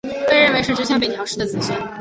被认为是执权北条氏的子孙。